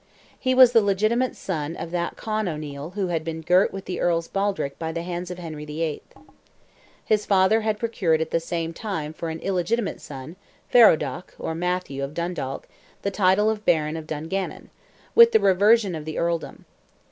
He was the legitimate son of that Con O'Neil who had been girt with the Earl's baldric by the hands of Henry VIII. His father had procured at the same time for an illegitimate son, Ferodach, or Mathew, of Dundalk, the title of Baron of Dungannon, with the reversion of the Earldom.